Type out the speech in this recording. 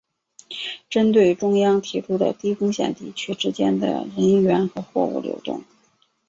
针对中央提出的低风险地区之间的人员和货物流动